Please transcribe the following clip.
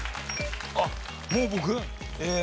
あっもう僕？